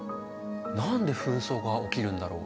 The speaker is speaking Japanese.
何で紛争が起きるんだろう？